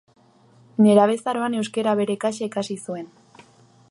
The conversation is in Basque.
Nerabezaroan euskara bere kasa ikasi zuen.